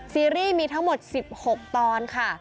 ซีรีส์มีทั้งหมด๑๖ตอนค่ะ